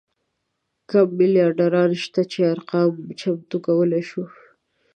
کم میلیاردران شته چې ارقام چمتو کولی شو.